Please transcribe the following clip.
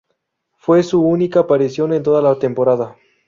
Fue su única aparición en toda la temporada.